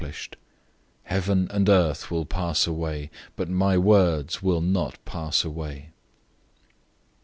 013:031 Heaven and earth will pass away, but my words will not pass away.